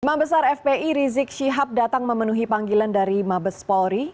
imam besar fpi rizik syihab datang memenuhi panggilan dari mabes polri